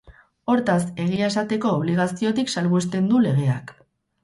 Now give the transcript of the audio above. Hortaz, egia esateko obligaziotik salbuesten du legeak.